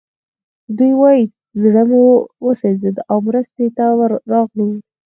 دوی وايي زړه مو وسوځېد او مرستې ته راغلو